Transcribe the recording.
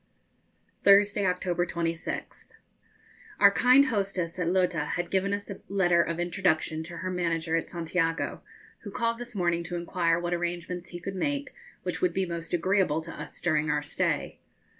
_ Thursday, October 26th. Our kind hostess at Lota had given us a letter of introduction to her manager at Santiago, who called this morning to inquire what arrangements he could make which would be most agreeable to us during our stay.